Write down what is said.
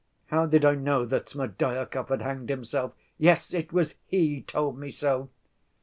How did I know that Smerdyakov had hanged himself? Yes, it was he told me so."